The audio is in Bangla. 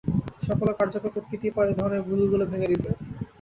সফল ও কার্যকর কূটনীতিই পারে এ ধরনের ভুলগুলো ভেঙে দিতে।